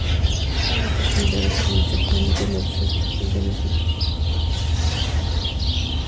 Todas están unidas administrativamente y no se distinguen las unas de las otras.